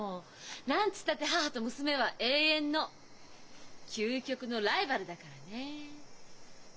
何つったって母と娘は永遠の究極のライバルだからねえ。